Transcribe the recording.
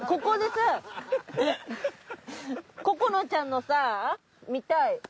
ここなちゃんのさ見たい。